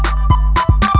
kau mau kemana